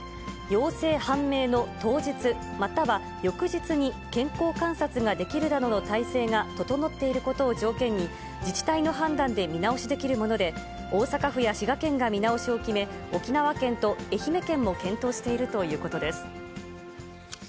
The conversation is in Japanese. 陽性判明の当日、または翌日に健康観察ができるなどの体制が整っていることを条件に、自治体の判断で見直しできるもので、大阪府や滋賀県が見直しを決め、沖縄県と愛媛県も検討しているということです。